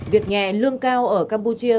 việc nghè lương cao ở campuchia